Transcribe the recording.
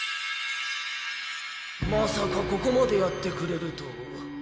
まさかここまでやってくれるとは。